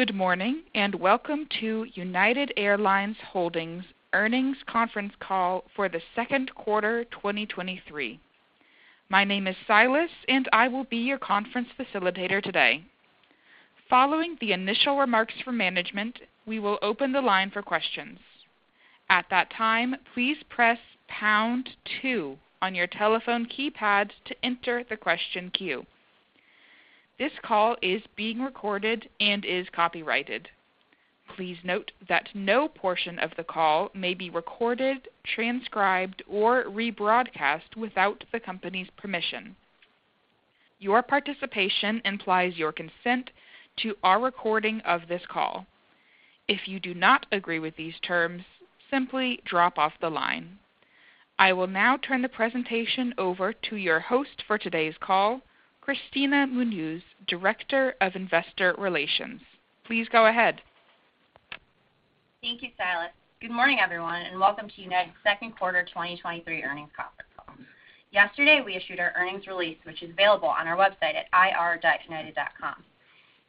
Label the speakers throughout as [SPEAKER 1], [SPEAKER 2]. [SPEAKER 1] Good morning. Welcome to United Airlines Holdings Earnings Conference Call for the second quarter 2023. My name is Silas. I will be your conference facilitator today. Following the initial remarks from management, we will open the line for questions. At that time, please press pound two on your telephone keypad to enter the question queue. This call is being recorded and is copyrighted. Please note that no portion of the call may be recorded, transcribed, or rebroadcast without the company's permission. Your participation implies your consent to our recording of this call. If you do not agree with these terms, simply drop off the line. I will now turn the presentation over to your host for today's call, Kristina Munoz, Director of Investor Relations. Please go ahead.
[SPEAKER 2] Thank you, Silas. Good morning, everyone, and welcome to United's second quarter 2023 earnings conference call. Yesterday, we issued our earnings release, which is available on our website at ir.united.com.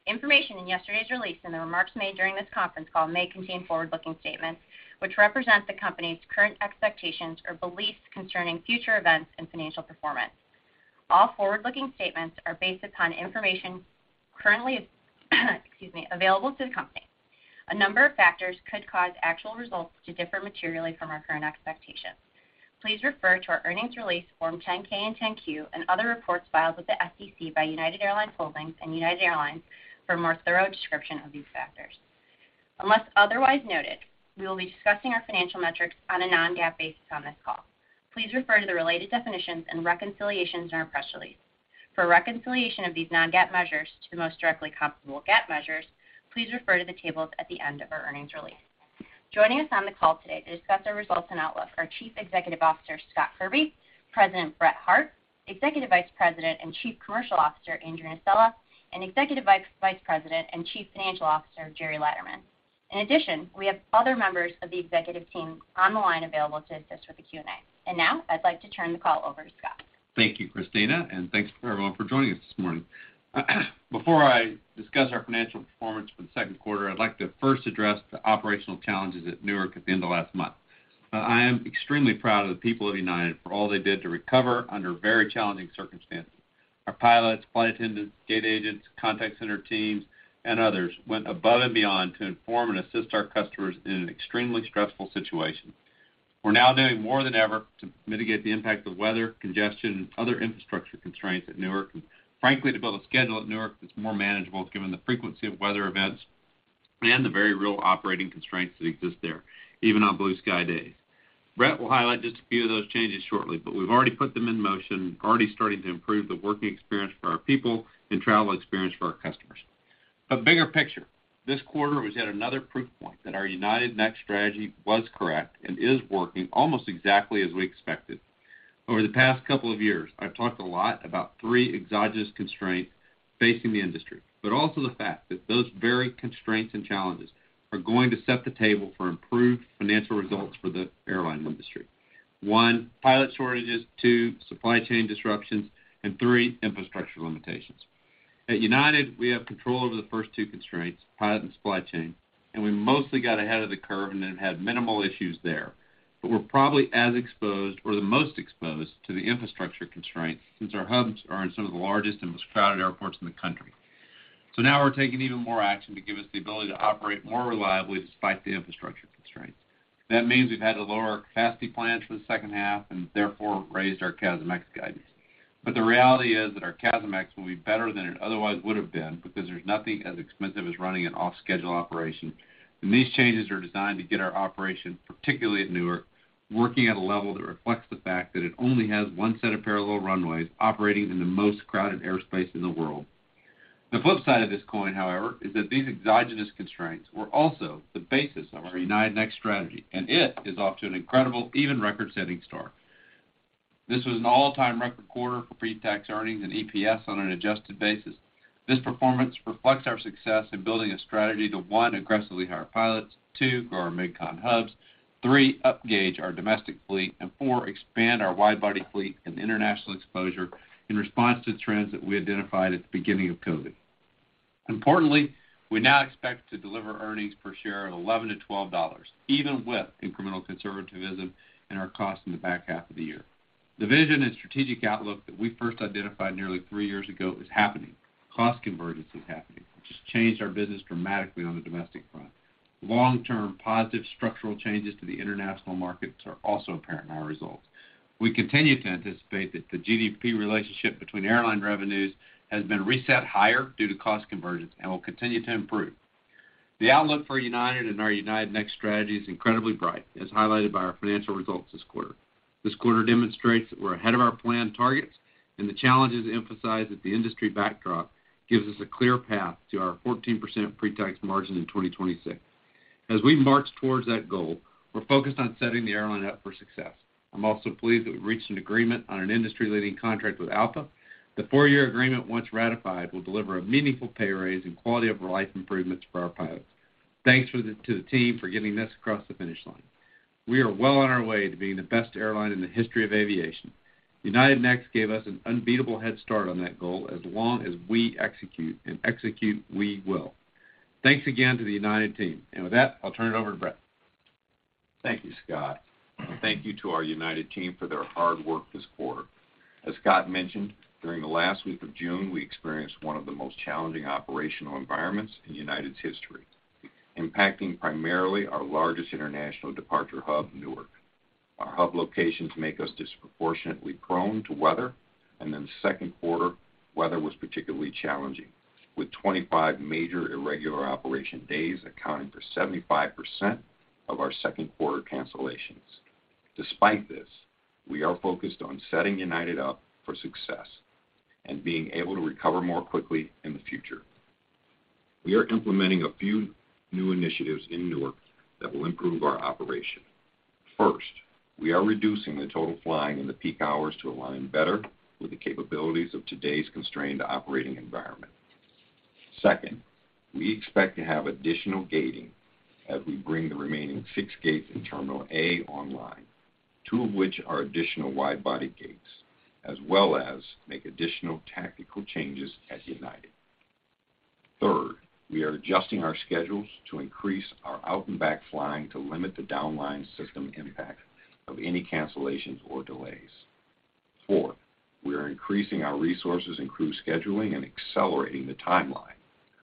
[SPEAKER 2] Information in yesterday's release and the remarks made during this conference call may contain forward-looking statements, which represent the company's current expectations or beliefs concerning future events and financial performance. All forward-looking statements are based upon information currently, excuse me, available to the company. A number of factors could cause actual results to differ materially from our current expectations. Please refer to our earnings release, Form 10-K and 10-Q, and other reports filed with the SEC by United Airlines Holdings and United Airlines for a more thorough description of these factors. Unless otherwise noted, we will be discussing our financial metrics on a non-GAAP basis on this call. Please refer to the related definitions and reconciliations in our press release. For a reconciliation of these non-GAAP measures to the most directly comparable GAAP measures, please refer to the tables at the end of our earnings release. Joining us on the call today to discuss our results and outlook are Chief Executive Officer, Scott Kirby; President, Brett Hart; Executive Vice President and Chief Commercial Officer, Andrew Nocella, and Executive Vice President and Chief Financial Officer, Gerry Laderman. In addition, we have other members of the executive team on the line available to assist with the Q&A. Now, I'd like to turn the call over to Scott.
[SPEAKER 3] Thank you, Kristina. Thanks for everyone for joining us this morning. Before I discuss our financial performance for the second quarter, I'd like to first address the operational challenges at Newark at the end of last month. I am extremely proud of the people of United for all they did to recover under very challenging circumstances. Our pilots, flight attendants, gate agents, contact center teams, and others went above and beyond to inform and assist our customers in an extremely stressful situation. We're now doing more than ever to mitigate the impact of weather, congestion, and other infrastructure constraints at Newark. Frankly, to build a schedule at Newark that's more manageable, given the frequency of weather events and the very real operating constraints that exist there, even on blue sky days. Brett will highlight just a few of those changes shortly, but we've already put them in motion, already starting to improve the working experience for our people and travel experience for our customers. Bigger picture, this quarter was yet another proof point that our United Next strategy was correct and is working almost exactly as we expected. Over the past couple of years, I've talked a lot about three exogenous constraints facing the industry, but also the fact that those very constraints and challenges are going to set the table for improved financial results for the airline industry. One, pilot shortages, two, supply chain disruptions, and three, infrastructure limitations. At United, we have control over the first two constraints, pilot and supply chain, and we mostly got ahead of the curve and have had minimal issues there. We're probably as exposed or the most exposed to the infrastructure constraints since our hubs are in some of the largest and most crowded airports in the country. Now we're taking even more action to give us the ability to operate more reliably despite the infrastructure constraints. That means we've had to lower our capacity plans for the second half and therefore raised our CASM-ex guidance. The reality is that our CASM-ex will be better than it otherwise would have been, because there's nothing as expensive as running an off-schedule operation, and these changes are designed to get our operation, particularly at Newark, working at a level that reflects the fact that it only has one set of parallel runways operating in the most crowded airspace in the world. The flip side of this coin, however, is that these exogenous constraints were also the basis of our United Next strategy, and it is off to an incredible, even record-setting start. This was an all-time record quarter for pre-tax earnings and EPS on an adjusted basis. This performance reflects our success in building a strategy to, one, aggressively hire pilots, two, grow our mid-continent hubs, three, upgauge our domestic fleet, and four, expand our wide-body fleet and international exposure in response to trends that we identified at the beginning of COVID. Importantly, we now expect to deliver earnings per share of $11-$12, even with incremental conservatism in our cost in the back half of the year. The vision and strategic outlook that we first identified nearly three years ago is happening. Cost convergence is happening, which has changed our business dramatically on the domestic front. Long-term positive structural changes to the international markets are also apparent in our results. We continue to anticipate that the GDP relationship between airline revenues has been reset higher due to cost convergence and will continue to improve. The outlook for United and our United Next strategy is incredibly bright, as highlighted by our financial results this quarter. This quarter demonstrates that we're ahead of our planned targets, and the challenges emphasize that the industry backdrop gives us a clear path to our 14% pre-tax margin in 2026. As we march towards that goal, we're focused on setting the airline up for success. I'm also pleased that we've reached an agreement on an industry-leading contract with ALPA. The four-year agreement, once ratified, will deliver a meaningful pay raise and quality-of-life improvements for our pilots. Thanks to the team for getting this across the finish line. We are well on our way to being the best airline in the history of aviation. United Next gave us an unbeatable head start on that goal as long as we execute, and execute we will. Thanks again to the United team. With that, I'll turn it over to Brett.
[SPEAKER 4] Thank you, Scott. Thank you to our United team for their hard work this quarter. As Scott mentioned, during the last week of June, we experienced one of the most challenging operational environments in United's history, impacting primarily our largest international departure hub, Newark. Our hub locations make us disproportionately prone to weather. In the second quarter, weather was particularly challenging, with 25 major irregular operation days accounting for 75% of our second quarter cancellations. Despite this, we are focused on setting United up for success and being able to recover more quickly in the future. We are implementing a few new initiatives in Newark that will improve our operation. First, we are reducing the total flying in the peak hours to align better with the capabilities of today's constrained operating environment. We expect to have additional gating as we bring the remaining six gates in Terminal A online, two of which are additional wide-body gates, as well as make additional tactical changes at United. We are adjusting our schedules to increase our out-and-back flying to limit the downline system impact of any cancellations or delays. We are increasing our resources in crew scheduling and accelerating the timeline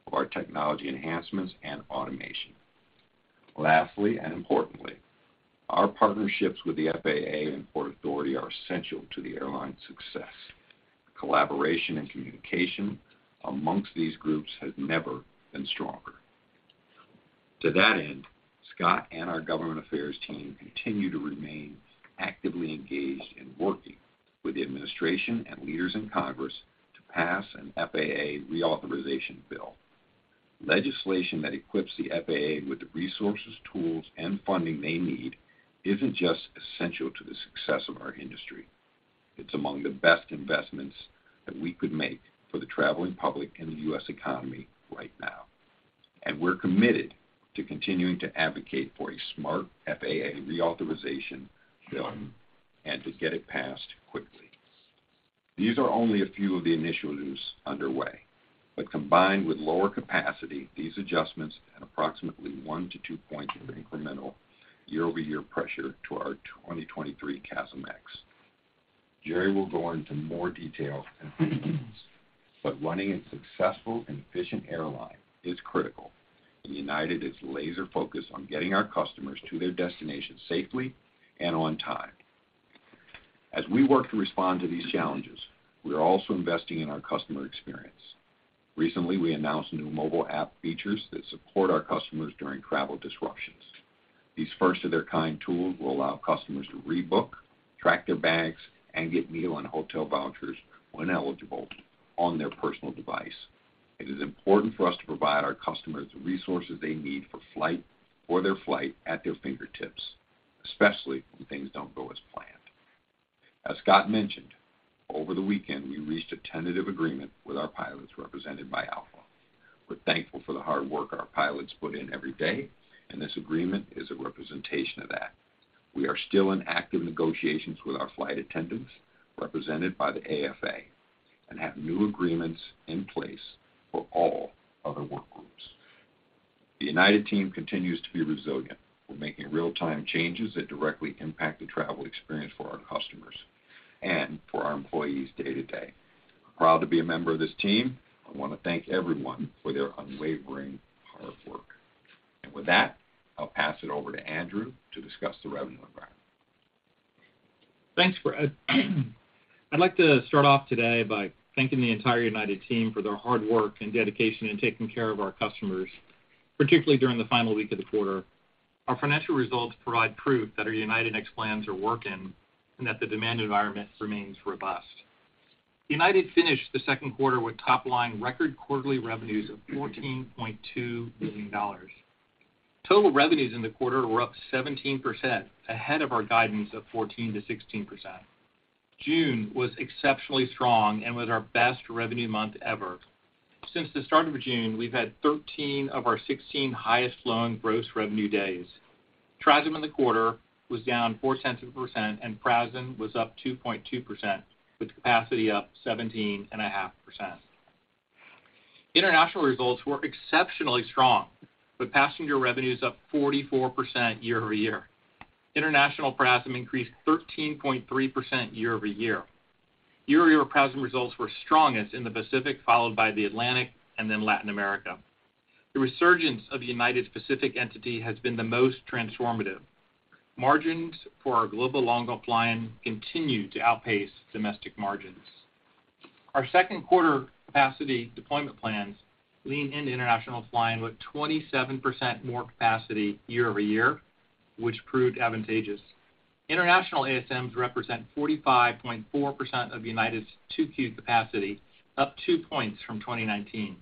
[SPEAKER 4] of our technology enhancements and automation. Importantly, our partnerships with the FAA and Port Authority are essential to the airline's success. Collaboration and communication amongst these groups has never been stronger. To that end, Scott and our government affairs team continue to remain actively engaged in working with the administration and leaders in Congress to pass an FAA reauthorization bill. Legislation that equips the FAA with the resources, tools, and funding they need isn't just essential to the success of our industry. It's among the best investments that we could make for the traveling public and the U.S. economy right now. We're committed to continuing to advocate for a smart FAA reauthorization bill and to get it passed quickly. These are only a few of the initiatives underway. Combined with lower capacity, these adjustments add approximately 1-2 points of incremental year-over-year pressure to our 2023 CASM-ex. Gerry will go into more detail on these. Running a successful and efficient airline is critical. United is laser-focused on getting our customers to their destinations safely and on time. As we work to respond to these challenges, we are also investing in our customer experience. Recently, we announced new mobile app features that support our customers during travel disruptions. These first-of-their-kind tools will allow customers to rebook, track their bags, and get meal and hotel vouchers when eligible on their personal device. It is important for us to provide our customers the resources they need for their flight at their fingertips, especially when things don't go as planned. As Scott mentioned, over the weekend, we reached a tentative agreement with our pilots represented by ALPA. We're thankful for the hard work our pilots put in every day, and this agreement is a representation of that. We are still in active negotiations with our flight attendants, represented by the AFA, and have new agreements in place for all other work groups. The United team continues to be resilient. We're making real-time changes that directly impact the travel experience for our customers and for our employees day to day. I'm proud to be a member of this team. I want to thank everyone for their unwavering hard work. With that, I'll pass it over to Andrew to discuss the revenue environment.
[SPEAKER 5] Thanks, Brett. I'd like to start off today by thanking the entire United team for their hard work and dedication in taking care of our customers, particularly during the final week of the quarter. Our financial results provide proof that our United Next plans are working and that the demand environment remains robust. United finished the second quarter with top-line record quarterly revenues of $14.2 billion. Total revenues in the quarter were up 17%, ahead of our guidance of 14%-16%. June was exceptionally strong and was our best revenue month ever. Since the start of June, we've had 13 of our 16 highest-flowing gross revenue days. TRASM in the quarter was down $0.04 cents a percent, and PRASM was up 2.2%, with capacity up 17.5%. International results were exceptionally strong, with passenger revenues up 44% year-over-year. International PRASM increased 13.3% year-over-year. Year-over-year, PRASM results were strongest in the Pacific, followed by the Atlantic and then Latin America. The resurgence of the United Pacific entity has been the most transformative. Margins for our global long-haul flying continue to outpace domestic margins. Our 2Q capacity deployment plans lean into international flying, with 27% more capacity year-over-year, which proved advantageous. International ASMs represent 45.4% of United's 2Q capacity, up 2 points from 2019.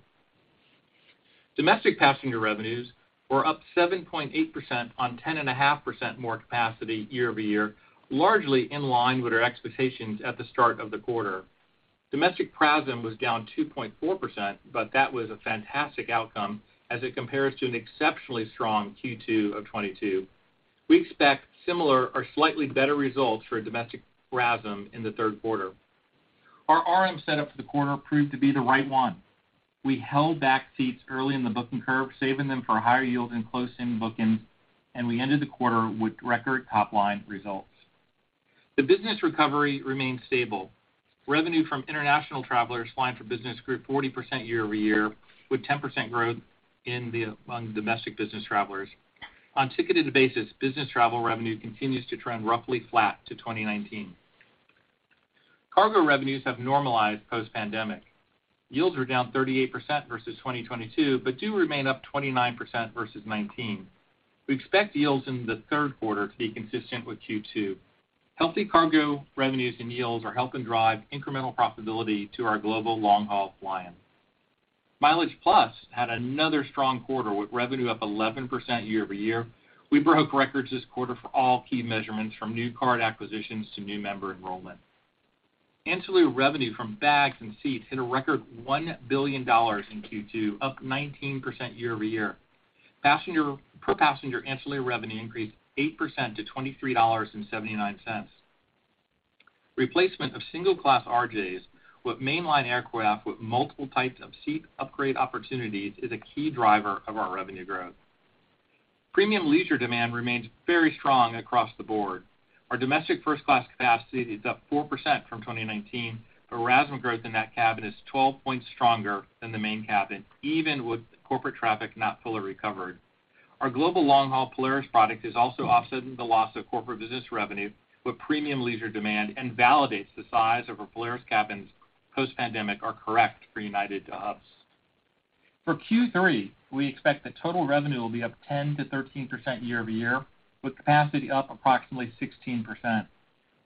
[SPEAKER 5] Domestic passenger revenues were up 7.8% on 10.5% more capacity year-over-year, largely in line with our expectations at the start of the quarter. Domestic PRASM was down 2.4%, that was a fantastic outcome as it compares to an exceptionally strong Q2 of 2022. We expect similar or slightly better results for domestic PRASM in the third quarter. Our RM setup for the quarter proved to be the right one. We held back seats early in the booking curve, saving them for higher yield and close-in bookings, we ended the quarter with record top-line results. The business recovery remains stable. Revenue from international travelers flying for business grew 40% year-over-year, with 10% growth among domestic business travelers. On ticketed basis, business travel revenue continues to trend roughly flat to 2019. Cargo revenues have normalized post-pandemic. Yields are down 38% versus 2022, do remain up 29% versus 2019. We expect yields in the third quarter to be consistent with Q2. Healthy cargo revenues and yields are helping drive incremental profitability to our global long-haul flying. MileagePlus had another strong quarter, with revenue up 11% year-over-year. We broke records this quarter for all key measurements, from new card acquisitions to new member enrollment. Ancillary revenue from bags and seats hit a record $1 billion in Q2, up 19% year-over-year. per-passenger ancillary revenue increased 8% to $23.79. Replacement of single-class RJs with mainline aircraft with multiple types of seat upgrade opportunities is a key driver of our revenue growth. Premium leisure demand remains very strong across the board. Our domestic first class capacity is up 4% from 2019, but RASM growth in that cabin is 12 points stronger than the main cabin, even with corporate traffic not fully recovered. Our global long-haul Polaris product is also offsetting the loss of corporate business revenue with premium leisure demand and validates the size of our Polaris cabins post-pandemic are correct for United hubs. For Q3, we expect that total revenue will be up 10%-13% year-over-year, with capacity up approximately 16%.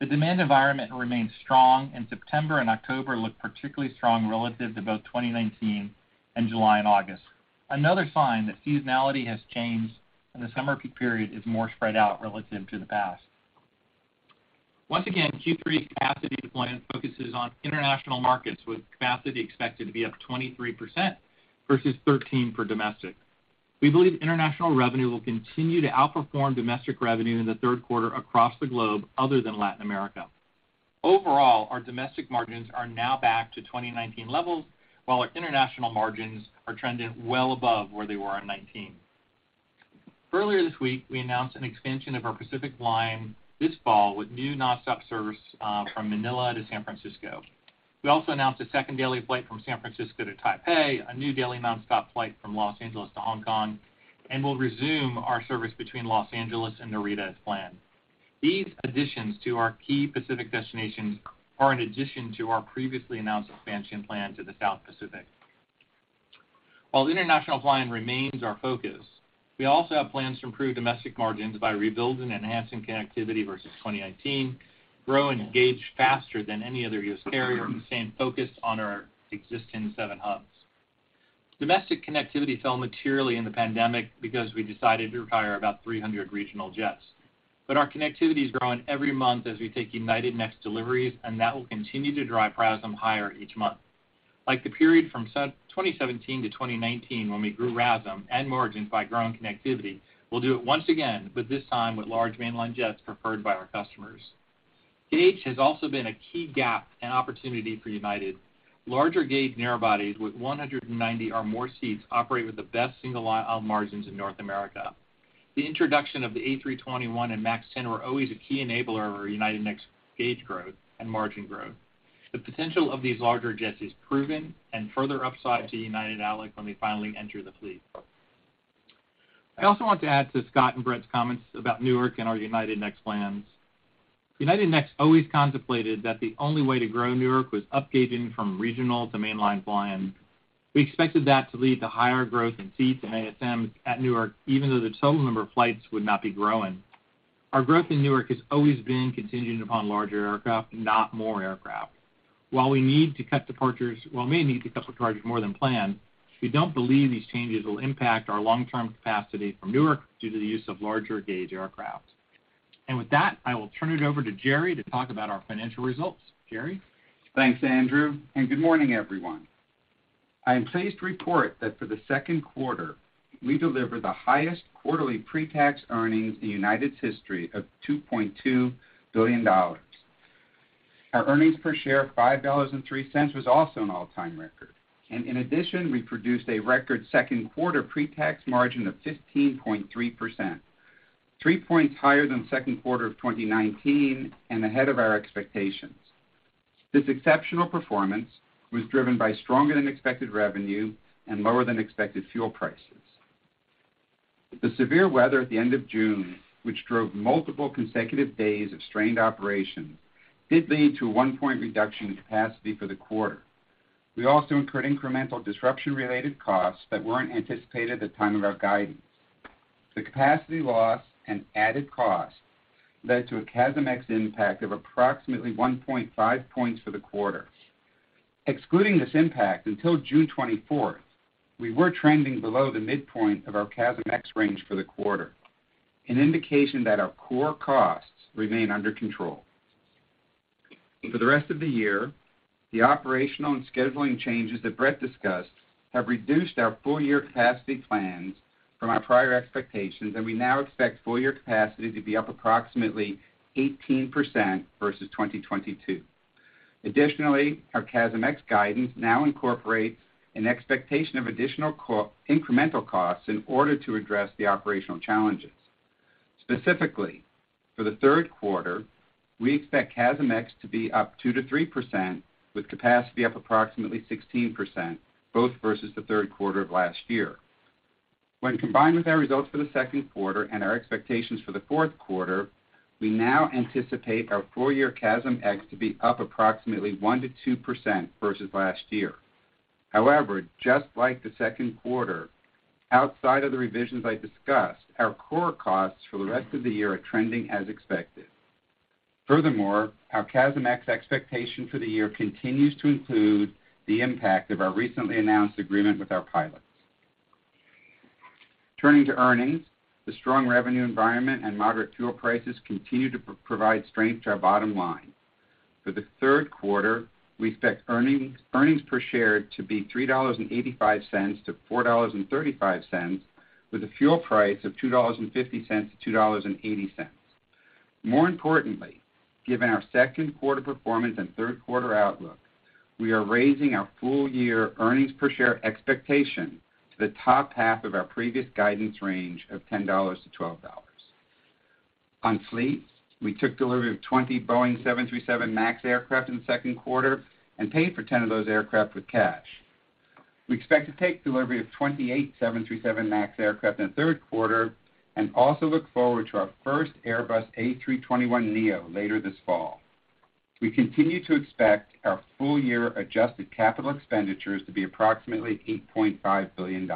[SPEAKER 5] The demand environment remains strong, and September and October look particularly strong relative to both 2019 and July and August. Another sign that seasonality has changed, and the summer peak period is more spread out relative to the past. Once again, Q3's capacity deployment focuses on international markets, with capacity expected to be up 23% versus 13% for domestic. We believe international revenue will continue to outperform domestic revenue in the third quarter across the globe other than Latin America. Overall, our domestic margins are now back to 2019 levels, while our international margins are trending well above where they were in 2019. Earlier this week, we announced an expansion of our Pacific line this fall with new non-stop service from Manila to San Francisco. We also announced a second daily flight from San Francisco to Taipei, a new daily non-stop flight from Los Angeles to Hong Kong, and we'll resume our service between Los Angeles and Narita as planned. These additions to our key Pacific destinations are in addition to our previously announced expansion plan to the South Pacific. While international flying remains our focus, we also have plans to improve domestic margins by rebuilding and enhancing connectivity versus 2019, grow and engage faster than any other U.S. carrier, and staying focused on our existing seven hubs. Domestic connectivity fell materially in the pandemic because we decided to retire about 300 RJs. Our connectivity is growing every month as we take United Next deliveries, and that will continue to drive PRASM higher each month. Like the period from 2017 to 2019, when we grew RASM and margins by growing connectivity, we'll do it once again, but this time with large mainline jets preferred by our customers. Gauge has also been a key gap and opportunity for United. Larger gauge narrow bodies with 190 or more seats operate with the best single aisle margins in North America. The introduction of the A321 and MAX 10 were always a key enabler of our United Next gauge growth and margin growth. The potential of these larger jets is proven and further upside to United when they finally enter the fleet. I also want to add to Scott and Brett's comments about Newark and our United Next plans. United Next always contemplated that the only way to grow Newark was upgauging from regional to mainline flying. We expected that to lead to higher growth in seats and ASMs at Newark, even though the total number of flights would not be growing. Our growth in Newark has always been contingent upon larger aircraft, not more aircraft. While we may need to cut departures more than planned, we don't believe these changes will impact our long-term capacity from Newark due to the use of larger gauge aircraft. With that, I will turn it over to Jerry to talk about our financial results. Gerry?
[SPEAKER 6] Thanks, Andrew. Good morning, everyone. I am pleased to report that for the second quarter, we delivered the highest quarterly pre-tax earnings in United's history of $2.2 billion. Our earnings per share of $5.03 was also an all-time record. In addition, we produced a record second quarter pre-tax margin of 15.3%, three points higher than second quarter of 2019 and ahead of our expectations. This exceptional performance was driven by stronger than expected revenue and lower than expected fuel prices. The severe weather at the end of June, which drove multiple consecutive days of strained operations, did lead to a 1-point reduction in capacity for the quarter. We also incurred incremental disruption-related costs that weren't anticipated at the time of our guidance. The capacity loss and added cost led to a CASM-ex impact of approximately 1.5 points for the quarter. Excluding this impact, until June 24th, we were trending below the midpoint of our CASM-ex range for the quarter. An indication that our core costs remain under control. For the rest of the year, the operational and scheduling changes that Brett discussed have reduced our full-year capacity plans from our prior expectations, and we now expect full-year capacity to be up approximately 18% versus 2022. Additionally, our CASM-ex guidance now incorporates an expectation of additional incremental costs in order to address the operational challenges. Specifically, for the third quarter, we expect CASM-ex to be up 2%-3%, with capacity up approximately 16%, both versus the third quarter of last year. When combined with our results for the second quarter and our expectations for the fourth quarter, we now anticipate our full-year CASM-ex to be up approximately 1%-2% versus last year. Just like the second quarter, outside of the revisions I discussed, our core costs for the rest of the year are trending as expected. Our CASM-ex expectation for the year continues to include the impact of our recently announced agreement with our pilots. The strong revenue environment and moderate fuel prices continue to provide strength to our bottom line. For the third quarter, we expect earnings per share to be $3.85-$4.35, with a fuel price of $2.50-$2.80. More importantly, given our 2Q performance and 3Q outlook, we are raising our full-year earnings per share expectation to the top half of our previous guidance range of $10-$12. On fleet, we took delivery of 20 Boeing 737 MAX aircraft in the 2Q and paid for 10 of those aircraft with cash. We expect to take delivery of 28 737 MAX aircraft in the 3Q and also look forward to our first Airbus A321neo later this fall. We continue to expect our full-year adjusted capital expenditures to be approximately $8.5 billion.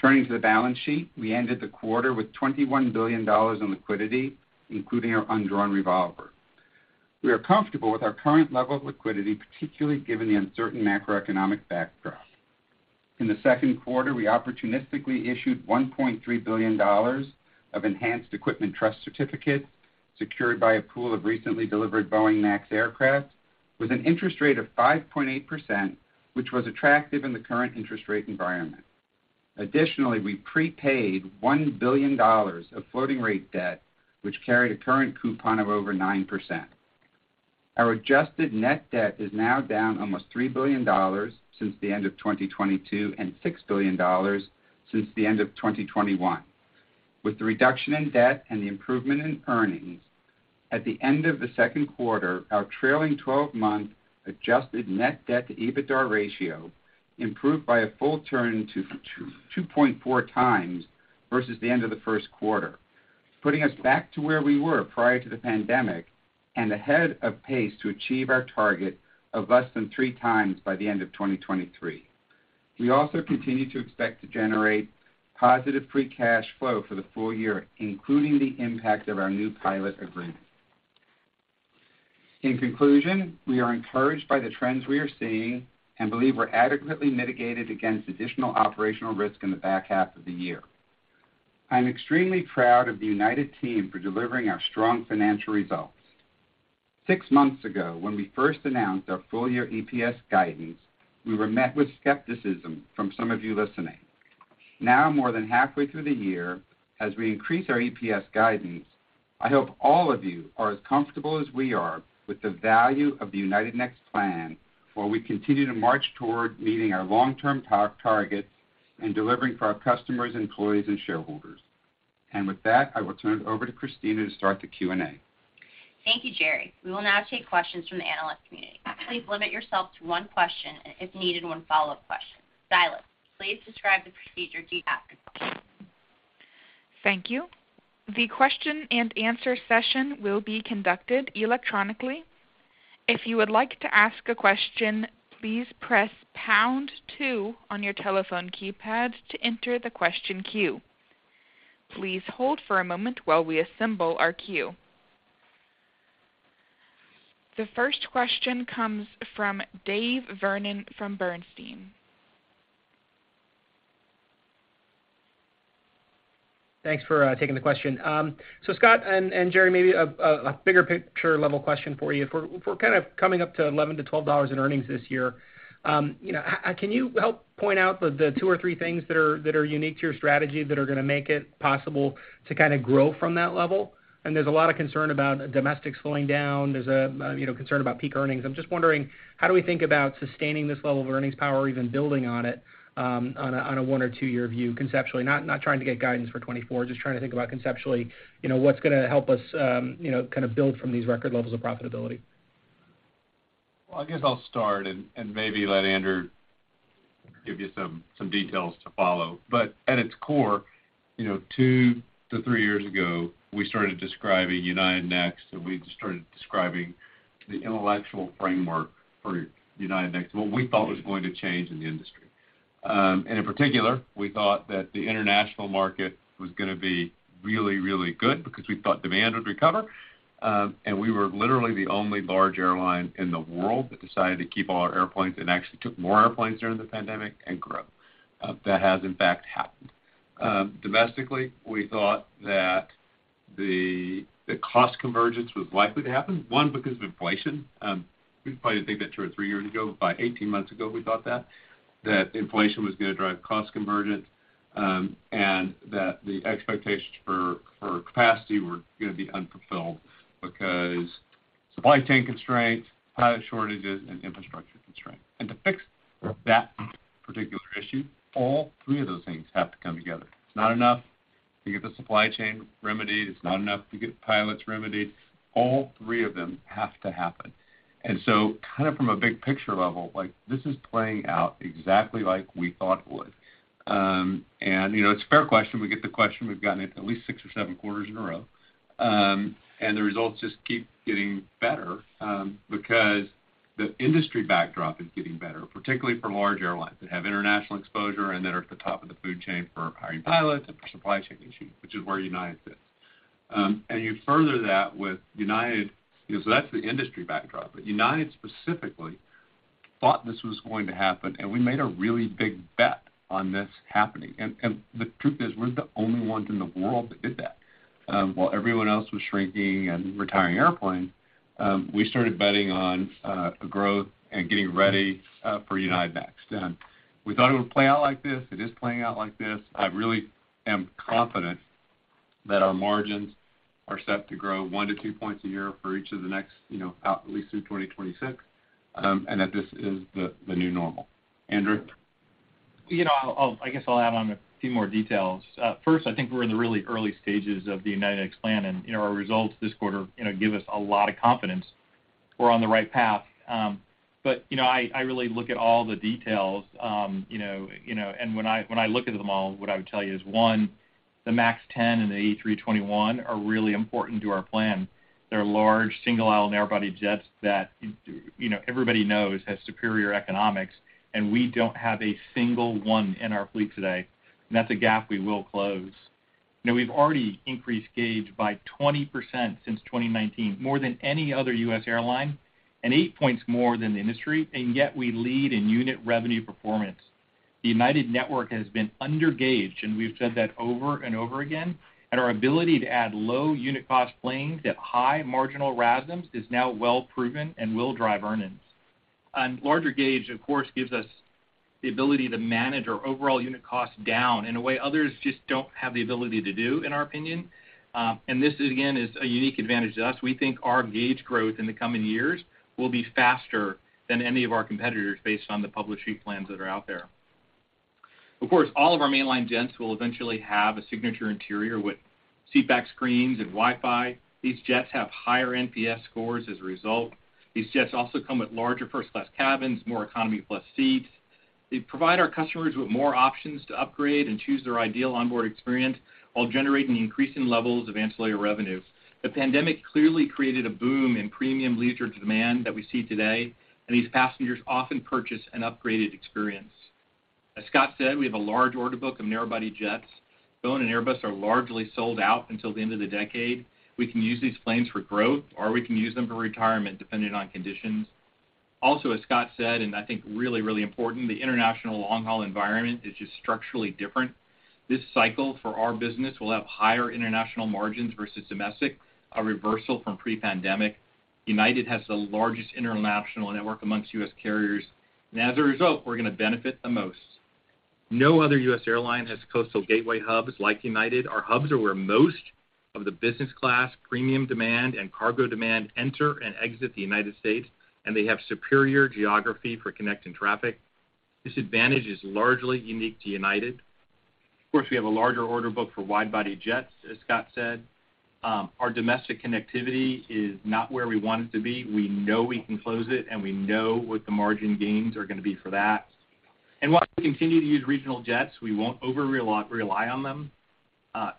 [SPEAKER 6] Turning to the balance sheet, we ended the quarter with $21 billion in liquidity, including our undrawn revolver. We are comfortable with our current level of liquidity, particularly given the uncertain macroeconomic backdrop. In the second quarter, we opportunistically issued $1.3 billion of enhanced equipment trust certificates, secured by a pool of recently delivered Boeing MAX aircraft, with an interest rate of 5.8%, which was attractive in the current interest rate environment. Additionally, we prepaid $1 billion of floating rate debt, which carried a current coupon of over 9%. Our adjusted net debt is now down almost $3 billion since the end of 2022 and $6 billion since the end of 2021. With the reduction in debt and the improvement in earnings, at the end of the second quarter, our trailing twelve-month adjusted net debt to EBITDA ratio improved by a full turn to 2.4x versus the end of the first quarter, putting us back to where we were prior to the pandemic and ahead of pace to achieve our target of less than 3x by the end of 2023. We also continue to expect to generate positive free cash flow for the full year, including the impact of our new pilot agreement. We are encouraged by the trends we are seeing and believe we're adequately mitigated against additional operational risk in the back half of the year. I'm extremely proud of the United team for delivering our strong financial results. Six months ago, when we first announced our full-year EPS guidance, we were met with skepticism from some of you listening. Now, more than halfway through the year, as we increase our EPS guidance, I hope all of you are as comfortable as we are with the value of the United Next plan, while we continue to march toward meeting our long-term targets and delivering for our customers, employees, and shareholders. With that, I will turn it over to Kristina to start the Q&A.
[SPEAKER 2] Thank you, Gerry. We will now take questions from the analyst community. Please limit yourself to one question, and if needed, one follow-up question. Silas, please describe the procedure to ask.
[SPEAKER 1] Thank you. The question and answer session will be conducted electronically. If you would like to ask a question, please press pound two on your telephone keypad to enter the question queue. Please hold for a moment while we assemble our queue. The first question comes from Dave Vernon from Bernstein.
[SPEAKER 7] Thanks for taking the question. Scott and Gerry, maybe a bigger picture level question for you. If we're kind of coming up to $11-$12 in earnings this year, you know, how, can you help point out the two or three things that are unique to your strategy that are gonna make it possible to kinda grow from that level? There's a lot of concern about domestics slowing down. There's a, you know, concern about peak earnings. I'm just wondering, how do we think about sustaining this level of earnings power or even building on it, on a one or two-year view, conceptually? Not trying to get guidance for 2024, just trying to think about conceptually, you know, what's gonna help us, you know, kind of build from these record levels of profitability.
[SPEAKER 3] I guess I'll start and maybe let Andrew give you some details to follow. At its core, you know, two to three years ago, we started describing United Next, and we started describing the intellectual framework for United Next, what we thought was going to change in the industry. In particular, we thought that the international market was gonna be really, really good because we thought demand would recover, and we were literally the only large airline in the world that decided to keep all our airplanes and actually took more airplanes during the pandemic and grew. That has in fact happened. domestically, we thought that the cost convergence was likely to happen. One, because of inflation. We probably didn't think that two or three years ago, but by 18 months ago, we thought that inflation was gonna drive cost convergence, and that the expectations for capacity were gonna be unfulfilled because supply chain constraints, pilot shortages, and infrastructure constraints. To fix that particular issue, all three of those things have to come together. It's not enough to get the supply chain remedied, it's not enough to get pilots remedied. All three of them have to happen. So kind of from a big picture level, like this is playing out exactly like we thought it would. You know, it's a fair question. We get the question, we've gotten it at least six or seven quarters in a row. The results just keep getting better, because the industry backdrop is getting better, particularly for large airlines that have international exposure and that are at the top of the food chain for hiring pilots and for supply chain issues, which is where United sits. You further that with United. That's the industry backdrop, but United specifically thought this was going to happen, and we made a really big bet on this happening. The truth is, we're the only ones in the world that did that. While everyone else was shrinking and retiring airplanes, we started betting on growth and getting ready for 737 MAX. We thought it would play out like this. It is playing out like this. I really am confident that our margins are set to grow 1-2 points a year for each of the next, you know, at least through 2026, and that this is the new normal. Andrew?
[SPEAKER 5] You know, I guess I'll add on a few more details. First, I think we're in the really early stages of the 737 MAX plan. Our results this quarter, you know, give us a lot of confidence we're on the right path. I really look at all the details. When I look at the model, what I would tell you is, one, the MAX 10 and the A321neo are really important to our plan. They're large, single-aisle narrow-body jets that, you know, everybody knows has superior economics. We don't have a single one in our fleet today. That's a gap we will close. We've already increased gauge by 20% since 2019, more than any other U.S. airline, 8 points more than the industry, yet we lead in unit revenue performance. The United Network has been under-gauged, we've said that over and over again, our ability to add low unit cost planes at high marginal RASMs is now well proven and will drive earnings. Larger gauge, of course, gives us the ability to manage our overall unit costs down in a way others just don't have the ability to do, in our opinion. This is, again, is a unique advantage to us. We think our gauge growth in the coming years will be faster than any of our competitors based on the published fleet plans that are out there. Of course, all of our mainline jets will eventually have a signature interior with Wi-Fi and seat back screens. These jets have higher NPS scores as a result. These jets also come with larger first-class cabins, more economy-plus seats. They provide our customers with more options to upgrade and choose their ideal onboard experience, while generating increasing levels of ancillary revenues. The pandemic clearly created a boom in premium leisure demand that we see today, and these passengers often purchase an upgraded experience. As Scott said, we have a large order book of narrowbody jets. Boeing and Airbus are largely sold out until the end of the decade. We can use these planes for growth, or we can use them for retirement, depending on conditions. Also, as Scott said, and I think really, really important, the international long-haul environment is just structurally different. This cycle, for our business, will have higher international margins versus domestic, a reversal from pre-pandemic. United has the largest international network amongst U.S. carriers, as a result, we're gonna benefit the most. No other U.S. airline has coastal gateway hubs like United. Our hubs are where most of the business class, premium demand, and cargo demand enter and exit the United States, they have superior geography for connecting traffic. This advantage is largely unique to United. Of course, we have a larger order book for wide-body jets, as Scott said. Our domestic connectivity is not where we want it to be. We know we can close it, we know what the margin gains are gonna be for that. While we continue to use regional jets, we won't over rely on them.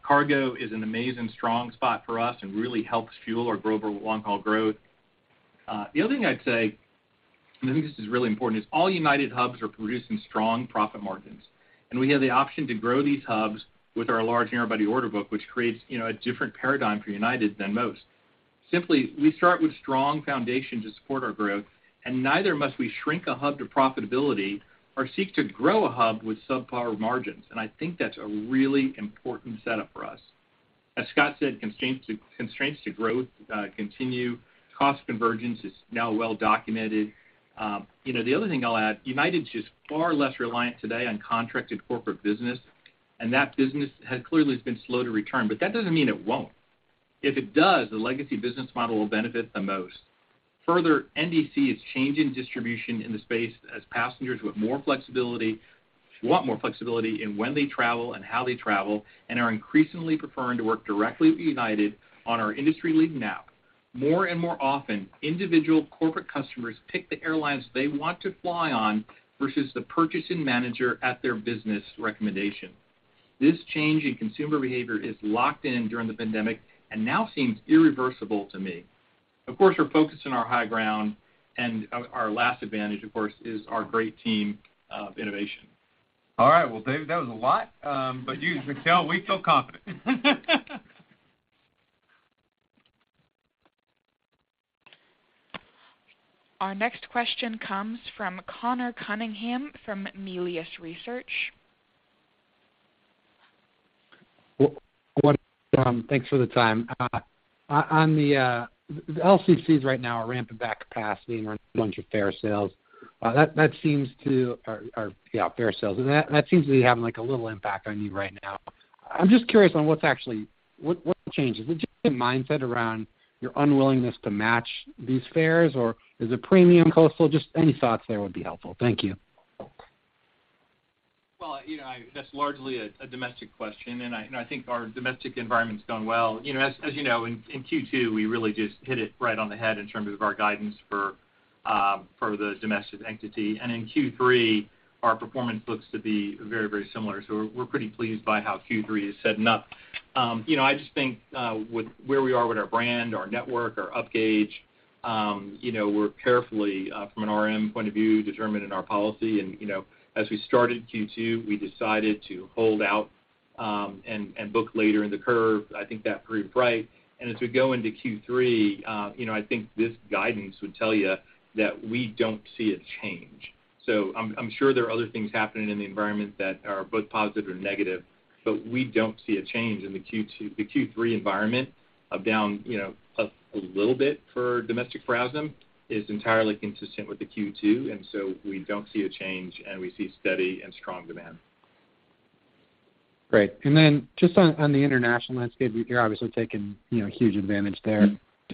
[SPEAKER 5] Cargo is an amazing strong spot for us and really helps fuel our global long-haul growth. The other thing I'd say, and I think this is really important, is all United hubs are producing strong profit margins, and we have the option to grow these hubs with our large narrow-body order book, which creates, you know, a different paradigm for United than most. Simply, we start with strong foundation to support our growth, and neither must we shrink a hub to profitability or seek to grow a hub with subpar margins, and I think that's a really important setup for us. As Scott said, constraints to growth continue. Cost convergence is now well documented. You know, the other thing I'll add, United is far less reliant today on contracted corporate business, that business has clearly been slow to return, that doesn't mean it won't. NDC is changing distribution in the space as passengers with more flexibility want more flexibility in when they travel and how they travel, are increasingly preferring to work directly with United on our industry-leading app. More and more often, individual corporate customers pick the airlines they want to fly on versus the purchasing manager at their business recommendation. This change in consumer behavior is locked in during the pandemic now seems irreversible to me. Of course, we're focused on our high ground, our last advantage, of course, is our great team of innovation.
[SPEAKER 3] All right. Well, Dave, that was a lot, but you can tell we feel confident.
[SPEAKER 1] Our next question comes from Conor Cunningham from Melius Research.
[SPEAKER 8] What, thanks for the time. On the LCCs right now are ramping back capacity and running a bunch of fare sales. That seems to, or, yeah, fare sales. That seems to be having, like, a little impact on you right now. I'm just curious on what changed? Is it just a mindset around your unwillingness to match these fares, or is it premium coastal? Just any thoughts there would be helpful. Thank you.
[SPEAKER 5] Well, you know, I, that's largely a domestic question, I think our domestic environment's gone well. You know, as you know, in Q2, we really just hit it right on the head in terms of our guidance for the domestic entity. In Q3, our performance looks to be very similar. We're pretty pleased by how Q3 is setting up. You know, I just think, with where we are with our brand, our network, our upgauge, you know, we're carefully from an RM point of view, determining our policy. You know, as we started Q2, we decided to hold out, and book later in the curve. I think that proved right. As we go into Q3, you know, I think this guidance would tell you that we don't see a change. I'm sure there are other things happening in the environment that are both positive or negative, but we don't see a change in The Q3 environment of down, you know, a little bit for domestic RASM is entirely consistent with the Q2, and so we don't see a change, and we see steady and strong demand.
[SPEAKER 8] Great. Just on the international landscape, you're obviously taking, you know, huge advantage there.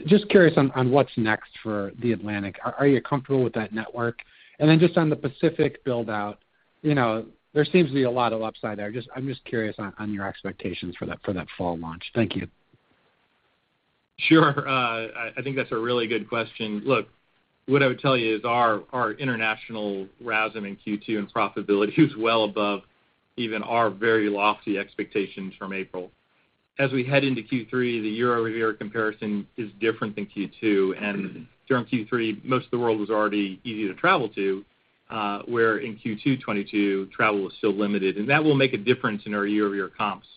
[SPEAKER 8] Just curious on what's next for the Atlantic? Are you comfortable with that network? Just on the Pacific build-out, you know, there seems to be a lot of upside there. I'm just curious on your expectations for that fall launch? Thank you.
[SPEAKER 5] Sure. I think that's a really good question. Look, what I would tell you is our international RASM in Q2 and profitability is well above even our very lofty expectations from April. As we head into Q3, the year-over-year comparison is different than Q2, and during Q3, most of the world was already easy to travel to, where in Q2 2022, travel was still limited, and that will make a difference in our year-over-year comps.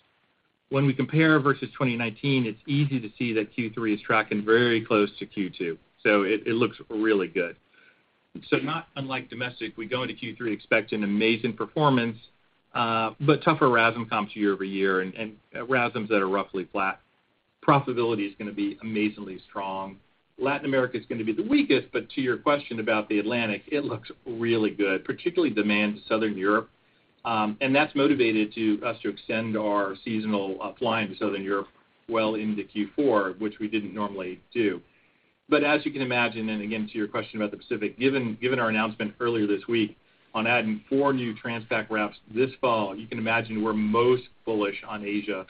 [SPEAKER 5] When we compare versus 2019, it's easy to see that Q3 is tracking very close to Q2, so it looks really good. Not unlike domestic, we go into Q3 expecting amazing performance, but tougher RASM comps year over year and RASMs that are roughly flat. Profitability is gonna be amazingly strong. Latin America is going to be the weakest. To your question about the Atlantic, it looks really good, particularly demand to Southern Europe. That's motivated to us to extend our seasonal flying to Southern Europe well into Q4, which we didn't normally do. As you can imagine, and again, to your question about the Pacific, given our announcement earlier this week on adding four new trans-Pacific routes this fall, you can imagine we're most bullish on Asia.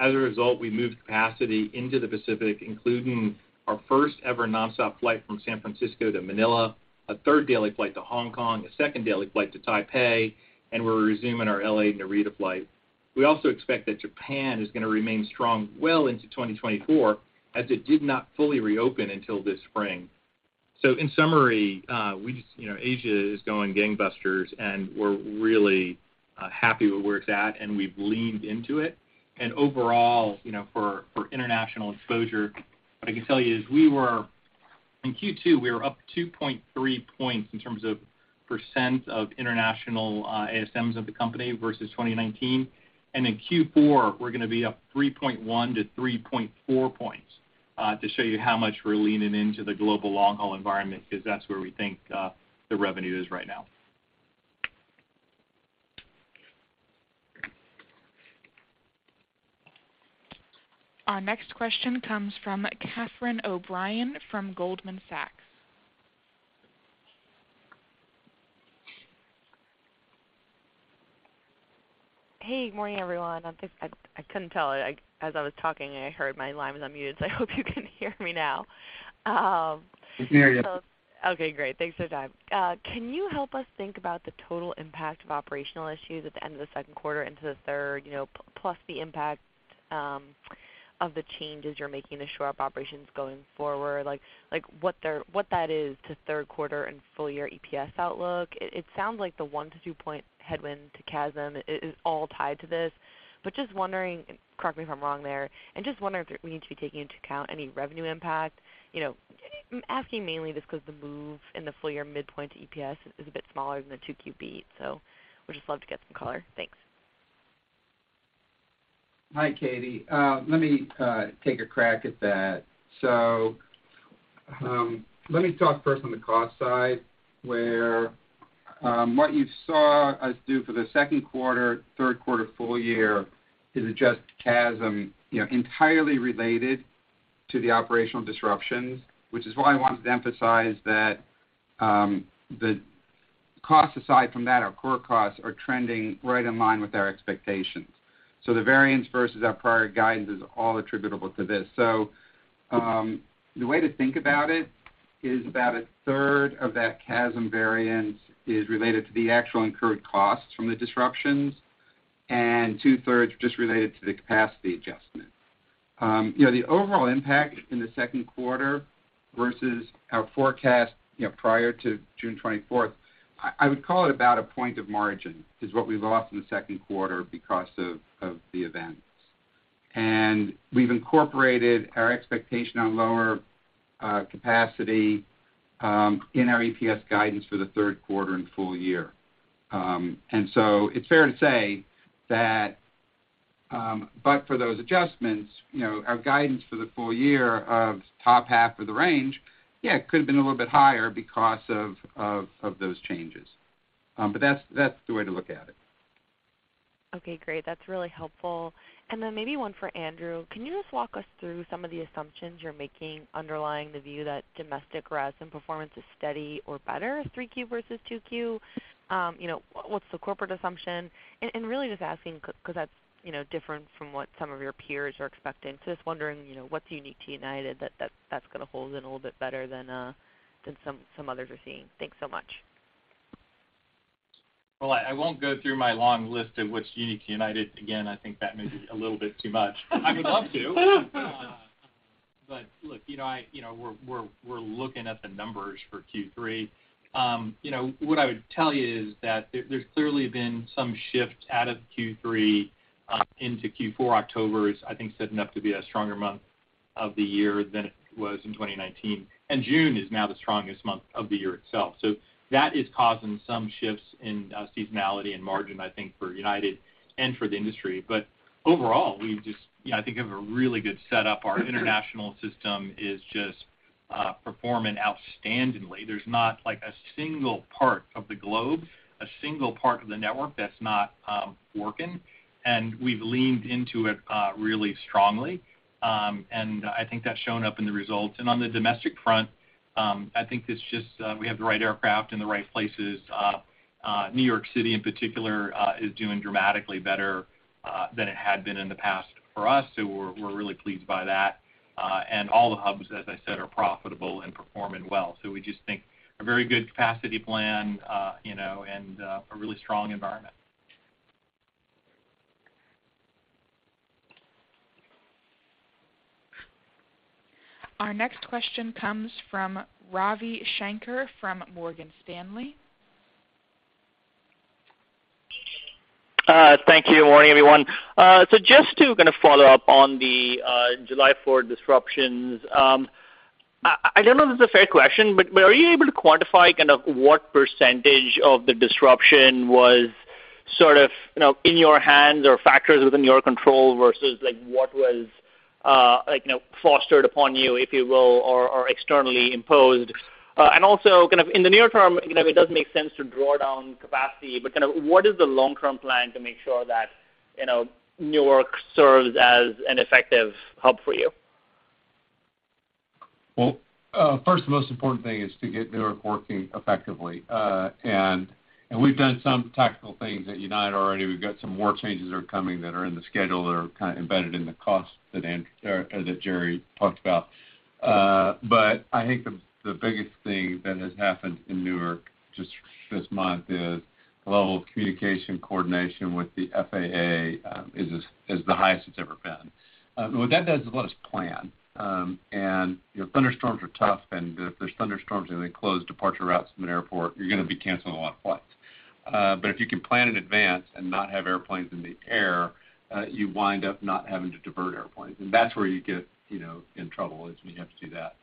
[SPEAKER 5] As a result, we moved capacity into the Pacific, including our first-ever nonstop flight from San Francisco to Manila, a 3rd daily flight to Hong Kong, a 2nd daily flight to Taipei, and we're resuming our L.A. Narita flight. We also expect that Japan is going to remain strong well into 2024, as it did not fully reopen until this spring. In summary, we just, you know, Asia is going gangbusters, and we're really happy where it's at, and we've leaned into it. Overall, you know, for international exposure, what I can tell you is in Q2, we were up 2.3 points in terms of % of international ASMs of the company versus 2019. In Q4, we're gonna be up 3.1 to 3.4 points to show you how much we're leaning into the global long-haul environment, because that's where we think the revenue is right now.
[SPEAKER 1] Our next question comes from Catherine O'Brien from Goldman Sachs.
[SPEAKER 9] Hey, good morning, everyone. I think I couldn't tell. As I was talking, I heard my line was on mute. I hope you can hear me now.
[SPEAKER 5] We can hear you.
[SPEAKER 9] Okay, great. Thanks for the time. Can you help us think about the total impact of operational issues at the end of the second quarter into the third, you know, plus the impact of the changes you're making to shore up operations going forward? Like, what that is to third quarter and full-year EPS outlook? It sounds like the 1-2 point headwind to CASM is all tied to this. Just wondering, and correct me if I'm wrong there, and just wondering if we need to be taking into account any revenue impact? You know, I'm asking mainly this because the move in the full-year midpoint to EPS is a bit smaller than the 2Q beats. Would just love to get some color. Thanks.
[SPEAKER 5] Hi, Katie. Let me take a crack at that. Let me talk first on the cost side, where what you saw us do for the second quarter, third quarter, full year is adjust CASM, you know, entirely related to the operational disruptions, which is why I wanted to emphasize that, the costs aside from that, our core costs are trending right in line with our expectations. The variance versus our prior guidance is all attributable to this. The way to think about it is about a third of that CASM variance is related to the actual incurred costs from the disruptions, and two-thirds just related to the capacity adjustment. you know, the overall impact in the 2Q versus our forecast, you know, prior to June 24th, I would call it about a point of margin, is what we lost in the 2Q because of the events.
[SPEAKER 3] We've incorporated our expectation on lower capacity in our EPS guidance for the third quarter and full year. It's fair to say that, but for those adjustments, you know, our guidance for the full year of top half of the range, yeah, it could have been a little bit higher because of those changes. That's the way to look at it.
[SPEAKER 9] Okay, great. That's really helpful. Maybe one for Andrew: Can you just walk us through some of the assumptions you're making underlying the view that domestic res and performance is steady or better, 3Q versus 2Q? You know, what's the corporate assumption? Really just asking because that's, you know, different from what some of your peers are expecting. Just wondering, you know, what's unique to United that's gonna hold in a little bit better than some others are seeing? Thanks so much.
[SPEAKER 5] I won't go through my long list of what's unique to United. Again, I think that may be a little bit too much. I would love to, but look, you know, we're looking at the numbers for Q3. You know, what I would tell you is that there's clearly been some shift out of Q3 into Q4. October is, I think, setting up to be a stronger month of the year than it was in 2019, and June is now the strongest month of the year itself. That is causing some shifts in seasonality and margin, I think, for United and for the industry. Overall, we just, you know, I think have a really good setup. Our international system is just performing outstandingly. There's not, like, a single part of the globe, a single part of the network that's not working, and we've leaned into it really strongly. I think that's shown up in the results. On the domestic front, I think it's just we have the right aircraft in the right places. New York City, in particular, is doing dramatically better than it had been in the past for us, so we're really pleased by that. All the hubs, as I said, are profitable and performing well. We just think a very good capacity plan, you know, and a really strong environment.
[SPEAKER 1] Our next question comes from Ravi Shanker, from Morgan Stanley.
[SPEAKER 10] Thank you. Morning, everyone. Just to kind of follow up on the July 4 disruptions, I don't know if this is a fair question, but were you able to quantify kind of what % of the disruption was sort of, you know, in your hands or factors within your control versus, like, what was, like, you know, fostered upon you, if you will, or externally imposed? Also, kind of in the near term, you know, it does make sense to draw down capacity, but kind of what is the long-term plan to make sure that, you know, Newark serves as an effective hub for you?
[SPEAKER 3] First, the most important thing is to get Newark working effectively. We've done some tactical things at United already. We've got some more changes that are coming that are in the schedule, that are kind of embedded in the cost that Gerry talked about. I think the biggest thing that has happened in Newark just this month is the level of communication, coordination with the FAA, is the highest it's ever been. What that does is let us plan. You know, thunderstorms are tough, and if there's thunderstorms and they close departure routes from an airport, you're gonna be canceling a lot of flights. If you can plan in advance and not have airplanes in the air, you wind up not having to divert airplanes, and that's where you get, you know, in trouble, is when you have to do that.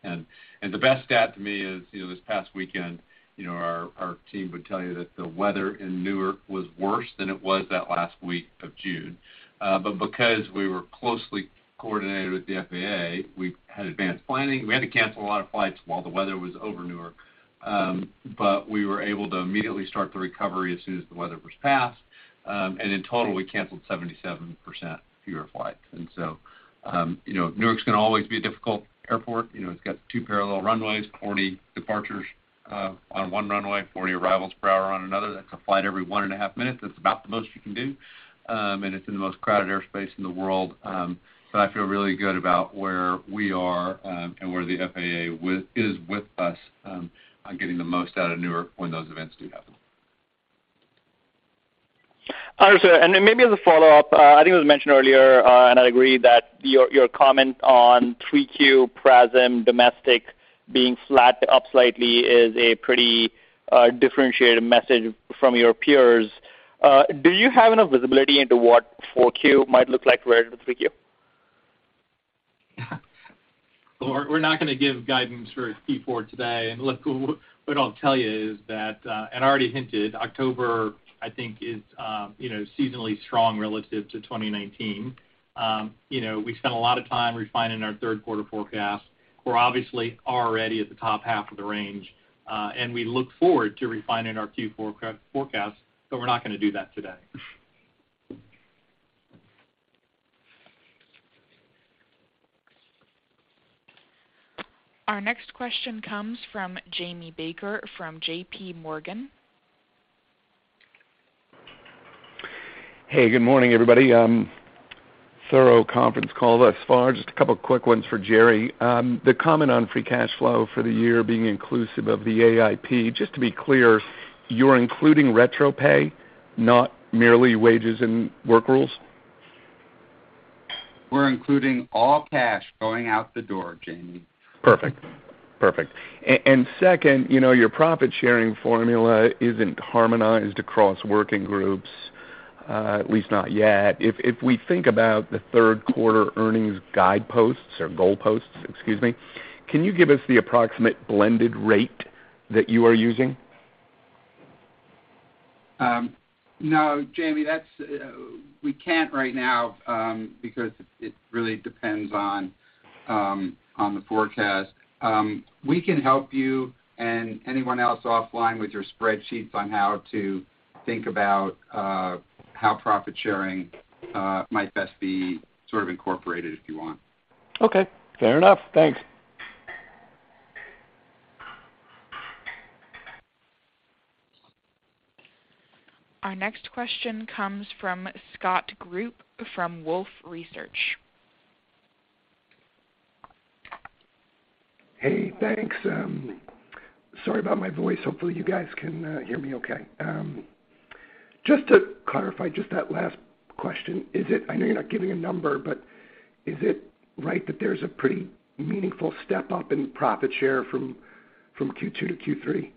[SPEAKER 3] The best stat to me is, you know, this past weekend, you know, our team would tell you that the weather in Newark was worse than it was that last week of June. Because we were closely coordinated with the FAA, we had advanced planning. We had to cancel a lot of flights while the weather was over Newark, but we were able to immediately start the recovery as soon as the weather was passed, and in total, we canceled 77% fewer flights. You know, Newark's gonna always be a difficult airport. You know, it's got two parallel runways, 40 departures, on one runway, 40 arrivals per hour on another. That's a flight every 1.5 minutes. That's about the most you can do, and it's in the most crowded airspace in the world. I feel really good about where we are, and where the FAA is with us, on getting the most out of Newark when those events do happen.
[SPEAKER 10] Understood. Maybe as a follow-up, I think it was mentioned earlier, and I agree that your comment on 3Q PRASM domestic being flat to up slightly is a pretty differentiated message from your peers. Do you have enough visibility into what 4Q might look like relative to 3Q?
[SPEAKER 5] Well, we're not gonna give guidance for Q4 today. Look, what I'll tell you is that, and I already hinted, October, I think, is, you know, seasonally strong relative to 2019. You know, we spent a lot of time refining our third quarter forecast. We're obviously already at the top half of the range, and we look forward to refining our Q4 forecast, but we're not gonna do that today.
[SPEAKER 1] Our next question comes from Jamie Baker from J.P. Morgan.
[SPEAKER 11] Hey, good morning, everybody. thorough conference call thus far. Just a couple quick ones for Gerry. The comment on free cash flow for the year being inclusive of the AIP, just to be clear, you're including retro pay, not merely wages and work rules?
[SPEAKER 6] We're including all cash going out the door, Jamie.
[SPEAKER 11] Perfect. Perfect. Second, you know, your profit-sharing formula isn't harmonized across working groups, at least not yet. If we think about the third quarter earnings guideposts or goalposts, excuse me, can you give us the approximate blended rate that you are using?
[SPEAKER 6] No, Jamie, that's, we can't right now, because it really depends on the forecast. We can help you and anyone else offline with your spreadsheets on how to think about, how profit sharing, might best be sort of incorporated, if you want.
[SPEAKER 11] Okay, fair enough. Thanks.
[SPEAKER 1] Our next question comes from Scott Group from Wolfe Research.
[SPEAKER 12] Hey, thanks. Sorry about my voice. Hopefully, you guys can hear me okay. Just to clarify just that last question, I know you're not giving a number, but is it right that there's a pretty meaningful step up in profit share from Q2 to Q3?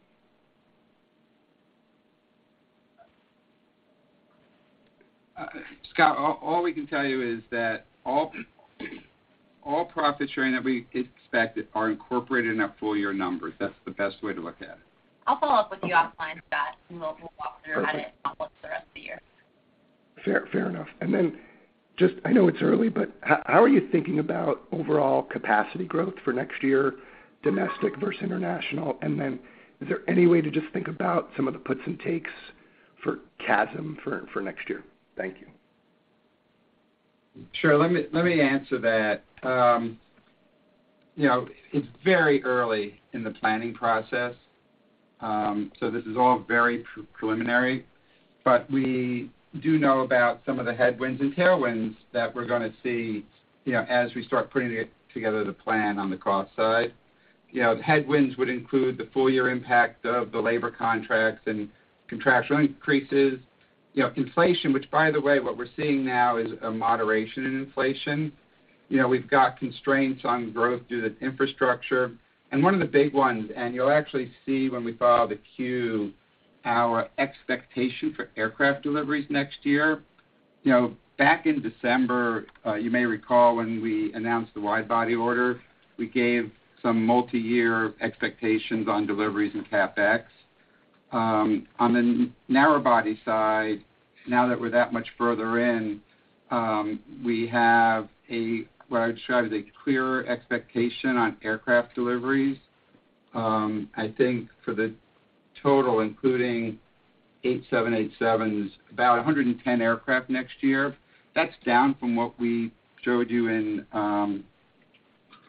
[SPEAKER 6] Scott, all we can tell you is that all profit sharing that we expect are incorporated in our full year numbers. That's the best way to look at it.
[SPEAKER 2] I'll follow up with you offline, Scott, and we'll walk through.
[SPEAKER 12] Perfect
[SPEAKER 2] how that looks the rest of the year.
[SPEAKER 12] Fair enough. I know it's early, but how are you thinking about overall capacity growth for next year, domestic versus international? Is there any way to just think about some of the puts and takes for CASM for next year? Thank you.
[SPEAKER 6] Sure. Let me, let me answer that. You know, it's very early in the planning process, so this is all very preliminary, but we do know about some of the headwinds and tailwinds that we're gonna see, you know, as we start putting together the plan on the cost side. You know, the headwinds would include the full year impact of the labor contracts and contractual increases. You know, inflation, which, by the way, what we're seeing now is a moderation in inflation. You know, we've got constraints on growth due to infrastructure. One of the big ones, and you'll actually see when we file the 10-Q, our expectation for aircraft deliveries next year. You know, back in December, you may recall, when we announced the wide-body order, we gave some multiyear expectations on deliveries and CapEx. On the narrow-body side, now that we're that much further in, we have what I'd describe as a clearer expectation on aircraft deliveries. I think for the total, including 787s, about 110 aircraft next year, that's down from what we showed you in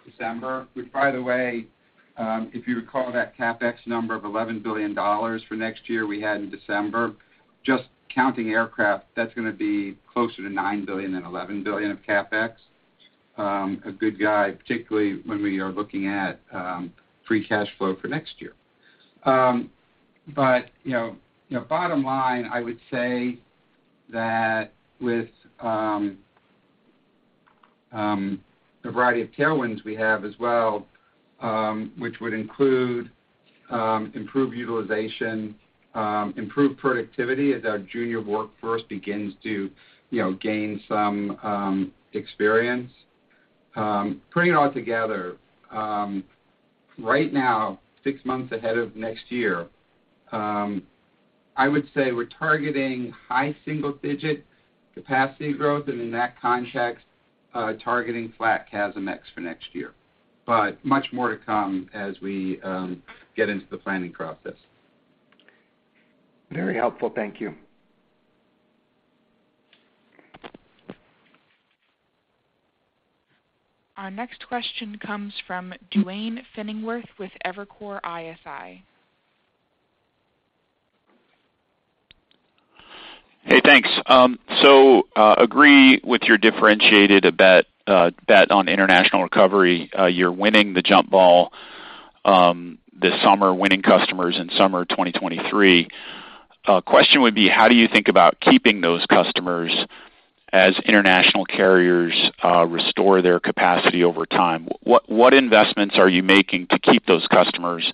[SPEAKER 6] December, which, by the way, if you recall, that CapEx number of $11 billion for next year we had in December, just counting aircraft, that's gonna be closer to $9 billion than $11 billion of CapEx. A good guide, particularly when we are looking at free cash flow for next year. You know, bottom line, I would say that with the variety of tailwinds we have as well, which would include improved utilization, improved productivity as our junior workforce begins to, you know, gain some experience. Putting it all together, right now, six months ahead of next year, I would say we're targeting high single-digit capacity growth, and in that context, targeting flat CASM-ex for next year. Much more to come as we get into the planning process.
[SPEAKER 12] Very helpful. Thank you.
[SPEAKER 1] Our next question comes from Duane Pfennigwerth with Evercore ISI.
[SPEAKER 13] Hey, thanks. Agree with your differentiated bet on international recovery. You're winning the jump ball this summer, winning customers in summer 2023. Question would be: How do you think about keeping those customers as international carriers restore their capacity over time? What investments are you making to keep those customers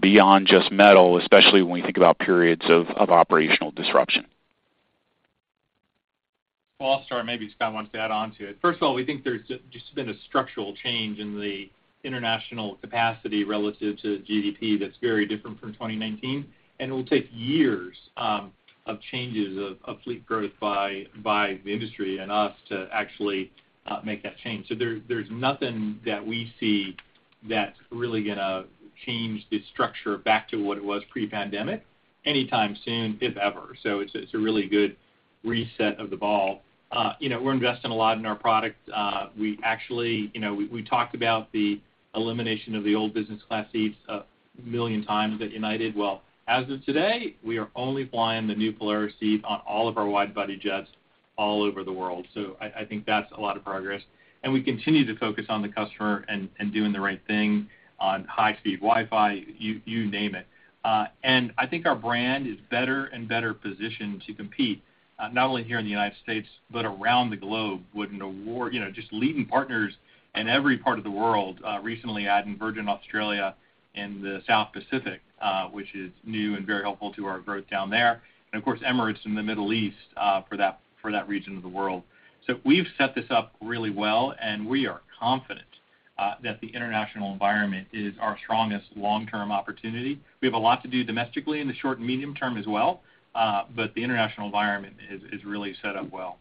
[SPEAKER 13] beyond just metal, especially when you think about periods of operational disruption?
[SPEAKER 5] Well, I'll start, and maybe Scott wants to add on to it. First of all, we think there's just been a structural change in the international capacity relative to GDP that's very different from 2019, and it will take years of changes of fleet growth by the industry and us to actually make that change. There's nothing that we see that's really gonna change the structure back to what it was pre-pandemic anytime soon, if ever. It's a really good reset of the ball. You know, we're investing a lot in our products. We actually, you know, we talked about the elimination of the old business class seats a million times at United. Well, as of today, we are only flying the new Polaris seat on all of our wide-body jets. all over the world. I think that's a lot of progress. We continue to focus on the customer and doing the right thing on high-speed Wi-Fi, you name it. I think our brand is better and better positioned to compete, not only here in the United States, but around the globe, with You know, just leading partners in every part of the world. Recently, adding Virgin Australia in the South Pacific, which is new and very helpful to our growth down there. Of course, Emirates in the Middle East, for that region of the world. We've set this up really well, and we are confident that the international environment is our strongest long-term opportunity. We have a lot to do domestically in the short and medium term as well, but the international environment is really set up well.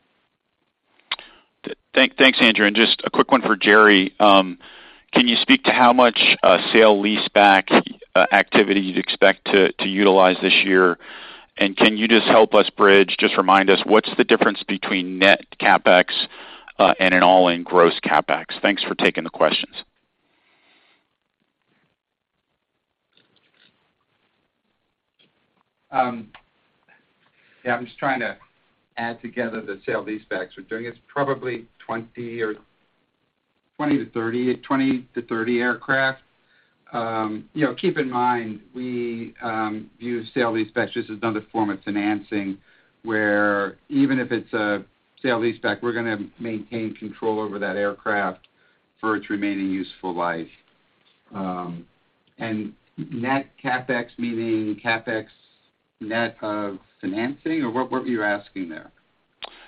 [SPEAKER 13] Thanks, Andrew Nocella. Just a quick one for Gerry Laderman. Can you speak to how much sale leaseback activity you'd expect to utilize this year? Can you just help us bridge, just remind us, what's the difference between net CapEx and an all-in gross CapEx? Thanks for taking the questions.
[SPEAKER 6] Yeah, I'm just trying to add together the sale leasebacks we're doing. It's probably 20 or 20-30 aircraft. You know, keep in mind, we view sale leasebacks just as another form of financing, where even if it's a sale leaseback, we're gonna maintain control over that aircraft for its remaining useful life. Net CapEx, meaning CapEx net of financing, or what were you asking there?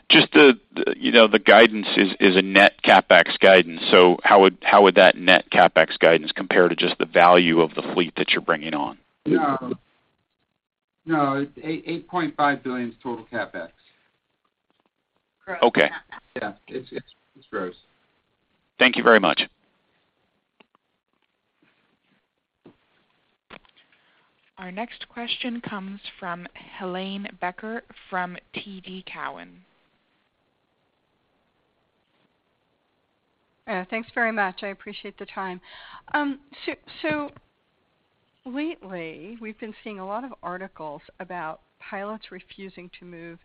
[SPEAKER 13] Just the, you know, the guidance is a net CapEx guidance. How would that net CapEx guidance compare to just the value of the fleet that you're bringing on?
[SPEAKER 6] No. No, $8.5 billion is total CapEx.
[SPEAKER 13] Okay.
[SPEAKER 6] Yeah, it's gross.
[SPEAKER 13] Thank you very much.
[SPEAKER 1] Our next question comes from Helane Becker, from TD Cowen.
[SPEAKER 14] Thanks very much. I appreciate the time. Lately, we've been seeing a lot of articles about pilots refusing to move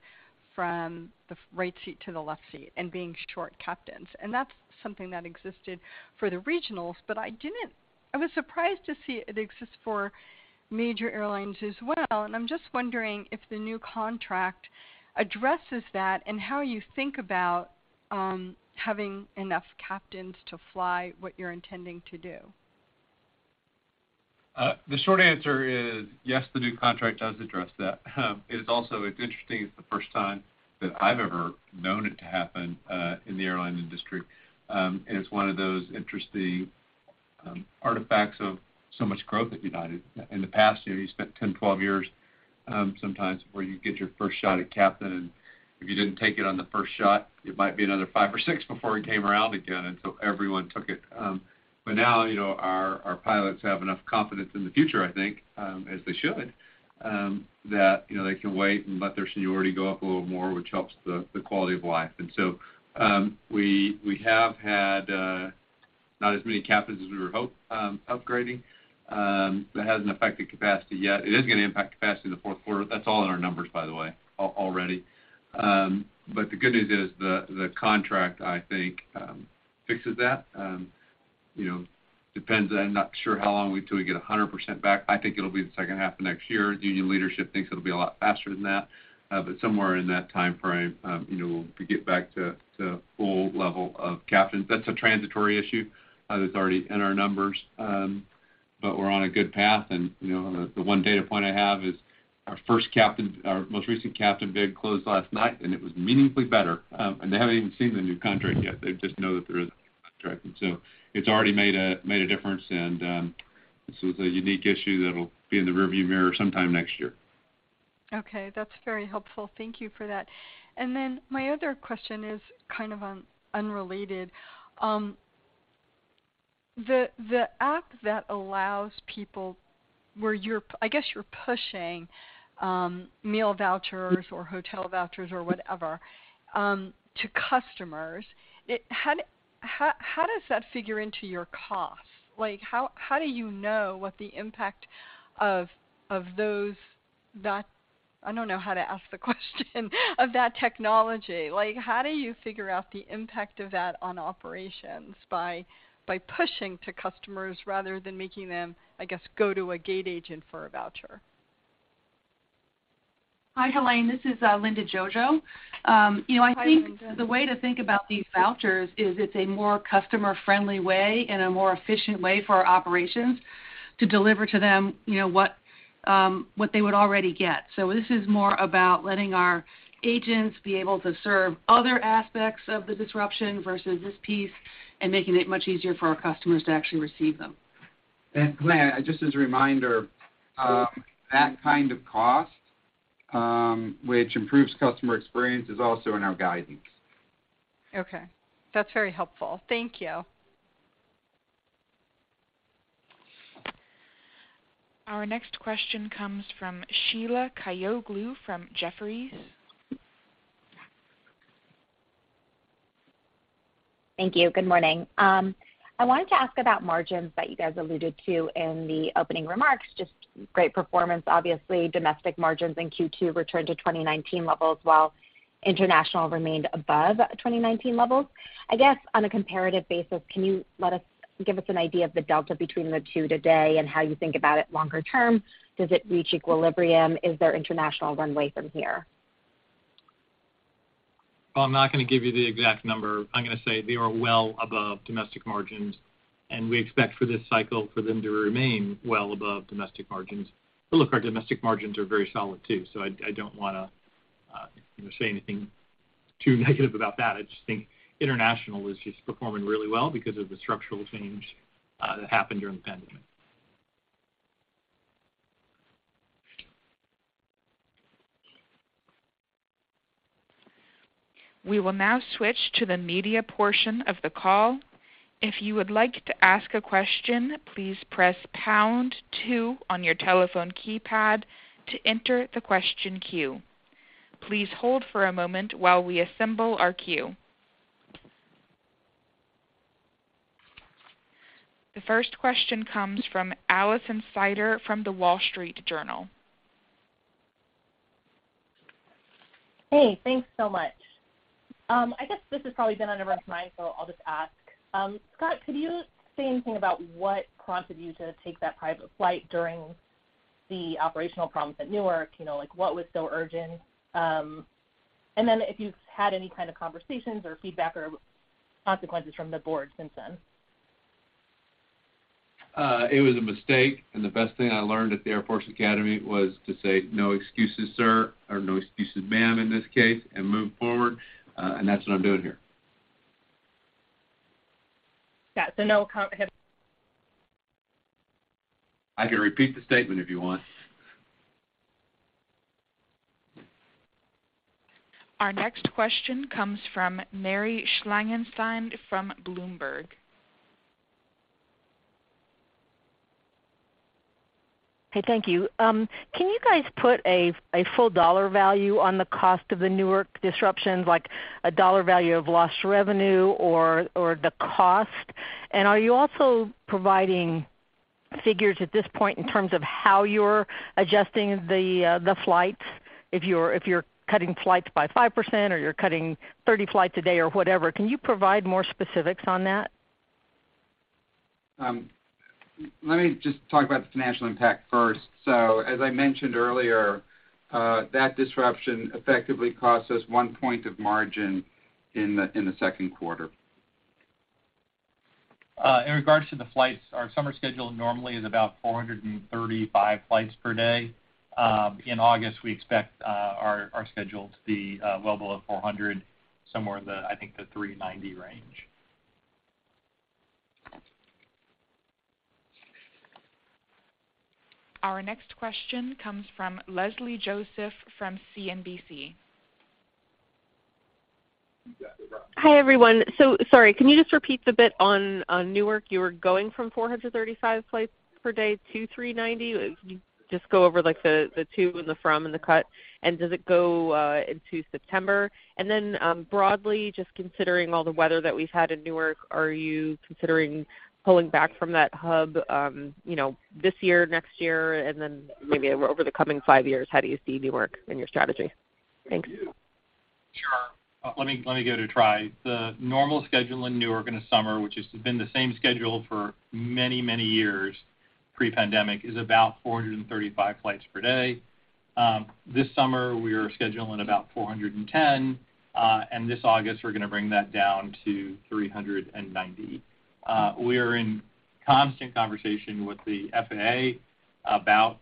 [SPEAKER 14] from the right seat to the left seat and being short captains, and that's something that existed for the regionals. I was surprised to see it exists for major airlines as well. I'm just wondering if the new contract addresses that and how you think about having enough captains to fly what you're intending to do.
[SPEAKER 3] The short answer is, yes, the new contract does address that. It is also, it's interesting, it's the first time that I've ever known it to happen in the airline industry. It's one of those interesting artifacts of so much growth at United. In the past year, you spent 10, 12 years, sometimes where you get your first shot at captain, and if you didn't take it on the first shot, it might be another five or six before it came around again, until everyone took it. Now, you know, our pilots have enough confidence in the future, I think, as they should, that, you know, they can wait and let their seniority go up a little more, which helps the quality of life. We have had not as many captains as we were hope upgrading, but it hasn't affected capacity yet. It is gonna impact capacity in the fourth quarter. That's all in our numbers, by the way, already. The good news is the contract, I think, fixes that. You know, depends, I'm not sure how long until we get 100% back. I think it'll be the second half of next year. Union leadership thinks it'll be a lot faster than that, somewhere in that timeframe, you know, we'll get back to full level of captains. That's a transitory issue, that's already in our numbers. We're on a good path, you know, the one data point I have is our first captain, our most recent captain bid closed last night, it was meaningfully better. They haven't even seen the new contract yet. They just know that there is a contract. It's already made a difference, this is a unique issue that'll be in the rearview mirror sometime next year.
[SPEAKER 14] Okay, that's very helpful. Thank you for that. My other question is kind of unrelated. The app that allows people where you're I guess you're pushing meal vouchers or hotel vouchers or whatever to customers. How does that figure into your costs? Like, how do you know what the impact of those, that, I don't know how to ask the question, of that technology? Like, how do you figure out the impact of that on operations by pushing to customers rather than making them, I guess, go to a gate agent for a voucher?
[SPEAKER 15] Hi, Helane, this is Linda Jojo. You know...
[SPEAKER 14] Hi, Linda.
[SPEAKER 15] I think the way to think about these vouchers is it's a more customer-friendly way and a more efficient way for our operations to deliver to them, you know, what they would already get. This is more about letting our agents be able to serve other aspects of the disruption versus this piece, and making it much easier for our customers to actually receive them.
[SPEAKER 6] Helane, just as a reminder, that kind of cost, which improves customer experience, is also in our guidance.
[SPEAKER 14] Okay. That's very helpful. Thank you.
[SPEAKER 1] Our next question comes from Sheila Kahyaoglu from Jefferies.
[SPEAKER 16] Thank you. Good morning. I wanted to ask about margins that you guys alluded to in the opening remarks, just great performance. Obviously, domestic margins in Q2 returned to 2019 levels, while international remained above 2019 levels. I guess on a comparative basis, can you give us an idea of the delta between the two today and how you think about it longer term? Does it reach equilibrium? Is there international runway from here?
[SPEAKER 5] Well, I'm not going to give you the exact number. I'm going to say they are well above domestic margins, and we expect for this cycle for them to remain well above domestic margins. Look, our domestic margins are very solid, too, so I don't want to say anything too negative about that. I just think international is just performing really well because of the structural change that happened during the pandemic.
[SPEAKER 1] We will now switch to the media portion of the call. If you would like to ask a question, please press pound two on your telephone keypad to enter the question queue. Please hold for a moment while we assemble our queue. The first question comes from Alison Sider from The Wall Street Journal.
[SPEAKER 17] Hey, thanks so much. I guess this has probably been on everyone's mind. I'll just ask. Scott, could you say anything about what prompted you to take that private flight during the operational problems at Newark? You know, like, what was so urgent? If you've had any kind of conversations or feedback or consequences from the Board since then?
[SPEAKER 3] It was a mistake, and the best thing I learned at the Air Force Academy was to say, "No excuses, sir," or, "No excuses, ma'am," in this case, and move forward, and that's what I'm doing here.
[SPEAKER 17] Got it. No comment.
[SPEAKER 3] I can repeat the statement if you want.
[SPEAKER 1] Our next question comes from Mary Schlangenstein from Bloomberg.
[SPEAKER 18] Hey, thank you. Can you guys put a full dollar value on the cost of the Newark disruptions, like a dollar value of lost revenue or the cost? Are you also providing figures at this point in terms of how you're adjusting the flights? If you're cutting flights by 5%, or you're cutting 30 flights a day or whatever, can you provide more specifics on that?
[SPEAKER 5] Let me just talk about the financial impact first. As I mentioned earlier, that disruption effectively cost us one point of margin in the second quarter. In regards to the flights, our summer schedule normally is about 435 flights per day. In August, we expect our schedule to be well below 400, somewhere in the, I think, the 390 range.
[SPEAKER 1] Our next question comes from Leslie Josephs from CNBC.
[SPEAKER 19] Hi, everyone. Sorry, can you just repeat the bit on Newark? You were going from 435 flights per day to 390. Just go over, like, the to and the from and the cut, does it go into September? Then, broadly, just considering all the weather that we've had in Newark, are you considering pulling back from that hub, you know, this year, next year, maybe over the coming five years? How do you see Newark in your strategy? Thanks.
[SPEAKER 5] Sure. Let me go to try. The normal schedule in Newark in the summer, which has been the same schedule for many, many years, pre-pandemic, is about 435 flights per day. This summer, we are scheduling about 410, and this August, we're going to bring that down to 390. We are in constant conversation with the FAA about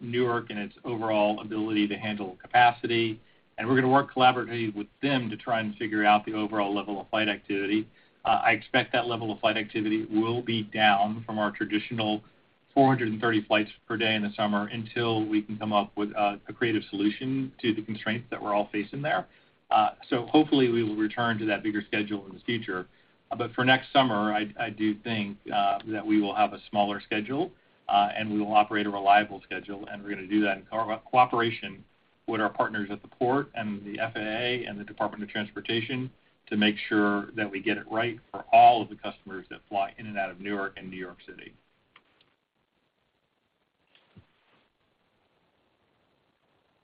[SPEAKER 5] Newark and its overall ability to handle capacity, and we're going to work collaboratively with them to try and figure out the overall level of flight activity. I expect that level of flight activity will be down from our traditional 430 flights per day in the summer until we can come up with a creative solution to the constraints that we're all facing there. Hopefully, we will return to that bigger schedule in the future. For next summer, I do think that we will have a smaller schedule, and we will operate a reliable schedule, and we're going to do that in cooperation with our partners at the Port and the FAA and the Department of Transportation to make sure that we get it right for all of the customers that fly in and out of Newark and New York City.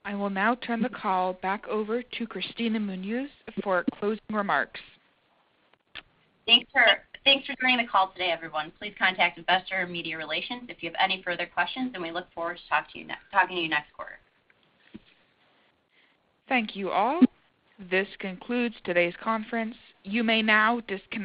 [SPEAKER 1] I will now turn the call back over to Kristina Munoz for closing remarks.
[SPEAKER 2] Thanks for joining the call today, everyone. Please contact Investor or Media Relations if you have any further questions. We look forward to talking to you next quarter.
[SPEAKER 1] Thank you, all. This concludes today's conference. You may now disconnect.